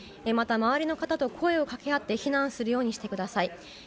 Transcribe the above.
また周りの方と声を掛け合って避難するようにしてください。